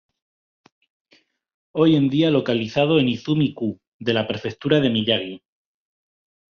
Hoy en día localizado en Izumi-ku, de la prefectura de Miyagi.